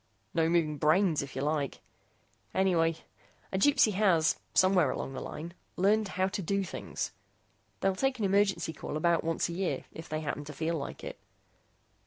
"No moving brains, if you like. Anyway, a Gypsy has somewhere along the line learned how to do things. They'll take an emergency call about once a year if they happen to feel like it.